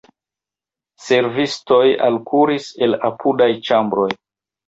Servistoj alkuris el apudaj ĉambroj.